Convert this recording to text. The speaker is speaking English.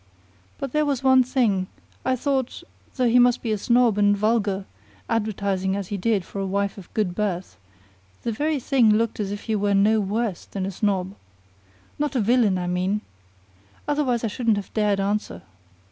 But there was one thing: I thought, though he must be a snob and vulgar, advertising as he did for a wife of good birth, that very thing looked as if he were no worse than a snob. Not a villain, I mean. Otherwise, I shouldn't have dared answer.